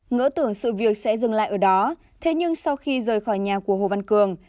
ngỡ tưởng sự việc sẽ dừng lại ở đó thế nhưng sau khi rời khỏi nhà của hồ văn cường